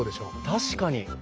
確かに！